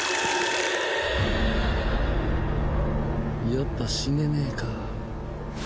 やっぱ死ねねえか。